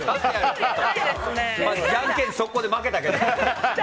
じゃんけん速攻で負けたけど。